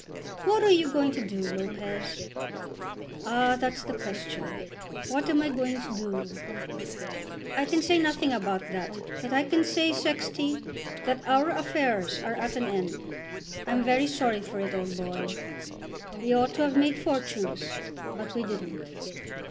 "What are you going to do, Lopez?" "Ah; that's the question. What am I going to do? I can say nothing about that, but I can say, Sexty, that our affairs are at an end. I'm very sorry for it, old boy. We ought to have made fortunes, but we didn't.